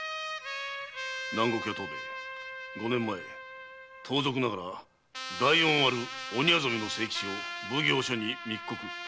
南国屋藤兵衛五年前盗賊ながら大恩ある鬼薊の清吉を奉行所に密告。